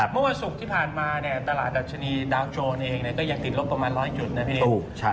เมื่อวันศุกร์ที่ผ่านมาตลาดดัชนีดาวโจรเองก็ยังติดลบประมาณ๑๐๐จุดนะพี่